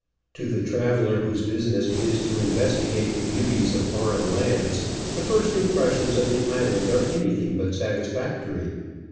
To the traveller whose business is to investigate the beauties of foreign lands, the first impressions of the island are anything but satisfactory.